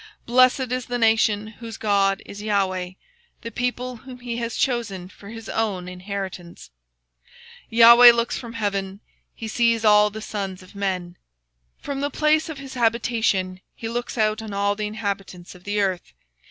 Blessed is the nation whose God is the LORD; And the people whom he hath chosen for his own inheritance. The LORD looketh from heaven; He beholdeth all the sons of men. From the place of his habitation he looketh Upon all the inhabitants of the earth.